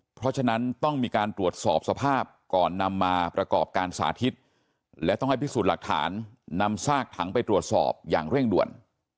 เพราะฉะนั้นต้องมีการตรวจสอบสภาพก่อนนำมาประกอบการสาธิตและต้องให้พิสูจน์หลักฐานนำซากถังไปตรวจสอบอย่างเร่งด่วน